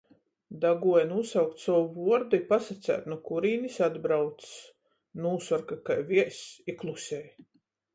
Daguoja nūsaukt sovu vuordu i pasaceit, nu kurīnis atbraucs. Nūsorka kai viezs i klusej.